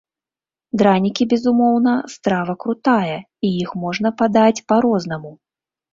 Дранікі, безумоўна, страва крутая, і іх можна падаць па-рознаму.